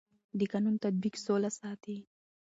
د قانون تطبیق سوله ساتي